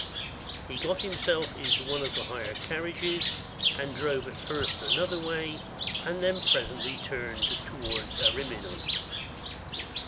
He himself got into one of the hired carriages, and drove at first another way, but presently turned towards Ariminum.